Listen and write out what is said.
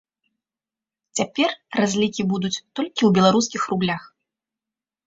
Цяпер разлікі будуць толькі ў беларускіх рублях.